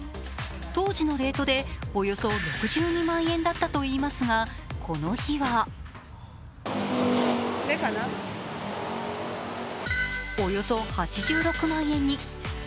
当時のレートでおよそ６２万円だったといいますが、この日はおよそ８６万円に。